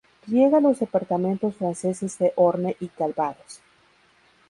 Riega los departamentos franceses de Orne y Calvados.